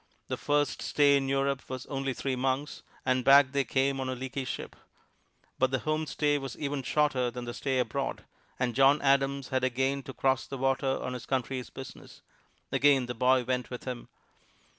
The first stay in Europe was only three months, and back they came on a leaky ship. But the home stay was even shorter than the stay abroad, and John Adams had again to cross the water on his country's business. Again the boy went with him.